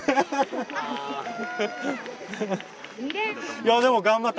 いやでも頑張った。